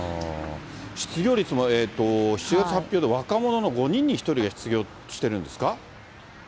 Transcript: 失業率も７月発表で若者の５人に１人が失業してるんですか？